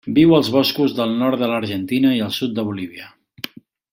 Viu als boscos del nord de l'Argentina i el sud de Bolívia.